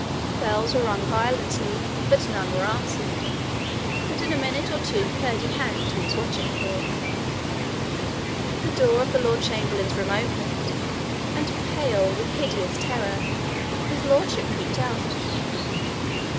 Bells were rung violently, but none were answered; and in a minute or two Curdie had what he was watching for. The door of the lord chamberlain's room opened, and, pale with hideous terror, His Lordship peeped out.